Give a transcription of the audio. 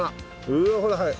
うわほら速い！